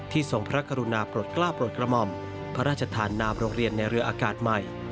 ทรงพระกรุณาปลดกล้าปลดกระหม่อมพระราชทานนามโรงเรียนในเรืออากาศใหม่